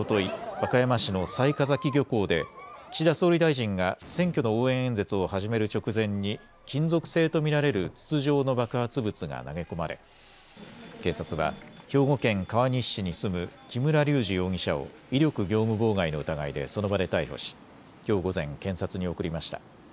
和歌山市の雑賀崎漁港で岸田総理大臣が選挙の応援演説を始める直前に金属製と見られる筒状の爆発物が投げ込まれ警察は兵庫県川西市に住む木村隆二容疑者を威力業務妨害の疑いでその場で逮捕しきょう午前、検察に送りました。